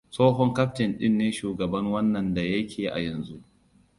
Tsohon kaftin ɗin ne shugaban wannan da yake a yanzu.